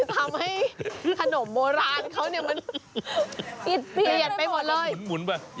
ทำให้ขนมโมรันเขาเนี่ยมันเก็บไปหมดเลย